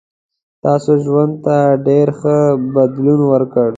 ستاسو ژوند ته ډېر ښه بدلون ورکړ.